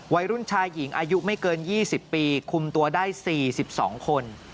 วัยรุ่นชายหญิงอายุไม่เกิน๒๐ปีคุมตัวได้๔๒คน